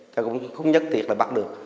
thì cũng không nhất thiệt là bắt được